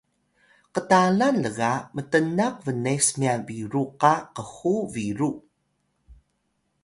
ktalan lga mtnaq bnes myan biru qa khu biru